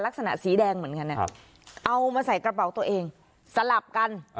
สีแดงเหมือนกันเอามาใส่กระเป๋าตัวเองสลับกัน